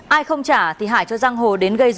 ai không trả thì hải cho giang hồ đến gây ra